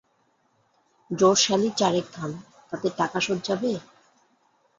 জোর শালি চারেক ধান, তাতে টাকা শোধ যাবে?